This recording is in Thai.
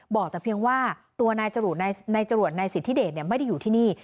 บอกแต่เพียงว่าตัวนายจรวดนายสิทธิเดชไม่ได้อยู่ที่นี่